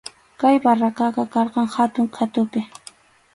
Kay barracaqa karqan hatun qhatupi.